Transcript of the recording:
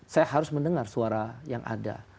saya harus mendengar suara yang ada